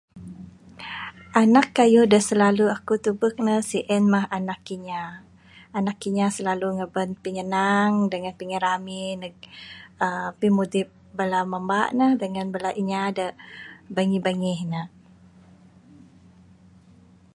Anak kayuh da silalu aku tubek ne sien mah anak inya...anak inya silalu ngaban pinyanang dangan pingirami neg uhh pimudip bala mamba ne dangan bala inya da bangih-bangih ne.